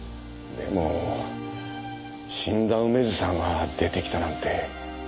でも死んだ梅津さんが出てきたなんて。